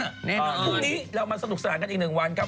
พรุ่งนี้เรามาสนุกสนานกันอีกหนึ่งวันครับ